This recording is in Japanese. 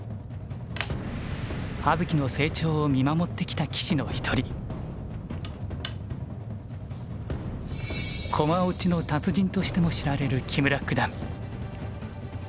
葉月の成長を見守ってきた棋士の一人。としても知られる木村九段。